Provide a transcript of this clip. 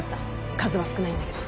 数は少ないんだけど。